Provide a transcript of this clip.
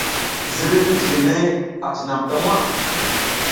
Ziriy mijiginey a cinam ta waʼa.